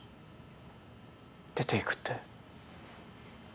出ていくって。